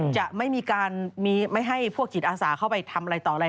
จะไม่ให้พวกจิตอาสาอเขาไปทำอะไรต่ออะไร